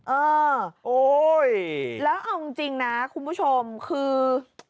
เออแล้วเอาจริงนะคุณผู้ชมคือ